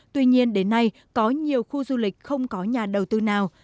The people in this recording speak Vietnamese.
tuy nhiên đến nay có nhiều khu du lịch không có nhà đầu tư nào